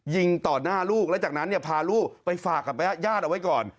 ยิงต่อหน้าลูกแล้วจากนั้นเนี่ยพาลูกไปฝากกับญาติเอาไว้ก่อน